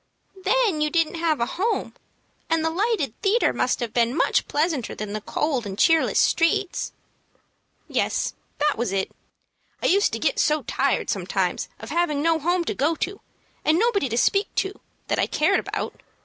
"Then you didn't have a home, and the lighted theatre must have been much pleasanter than the cold and cheerless streets." "Yes, that was it. I used to get so tired sometimes of having no home to go to, and nobody to speak to that I cared about."